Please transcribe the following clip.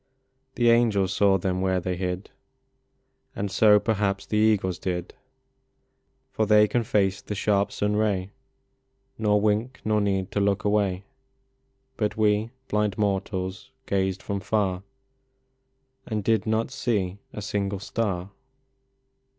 The angels saw them where they hid, And so, perhaps, the eagles did, For they can face the sharp sun ray, Nor wink, nor need to look away ; But we, blind mortals, gazed from far, And did not see a single star.